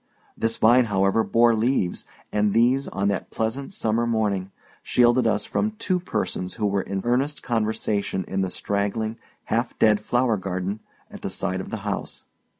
This vine, however, bore leaves, and these, on that pleasant summer morning, shielded from us two persons who were in earnest conversation in the straggling, half dead flower garden at the side of the house.